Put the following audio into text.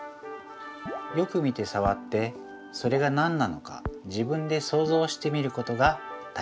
よく見てさわってそれが何なのか自分でそうぞうしてみることが大切なんです。